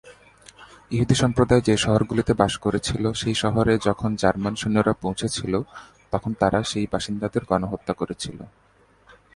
ইহুদি সম্প্রদায় যে শহরগুলিতে বাস করেছিল সেই শহরে যখন জার্মান সৈন্যরা পৌঁছেছিল, তখন তারা সেই বাসিন্দাদের গণহত্যা করেছিল।